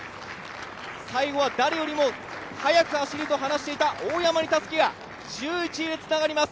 最後は誰よりも速く走ると話していた大山にたすきが１１位でつながります。